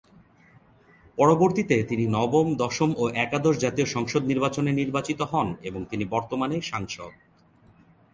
পরবর্তীতে তিনি নবম, দশম ও একাদশ জাতীয় সংসদ নির্বাচনে নির্বাচিত হন এবং তিনি বর্তমান সাংসদ।